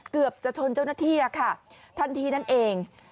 เกือบจะชนเจ้านัทธิ่งค่ะท่านธีนั่นเอง